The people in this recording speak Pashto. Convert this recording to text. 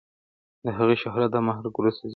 د هغې شهرت د مرګ وروسته زیات شو.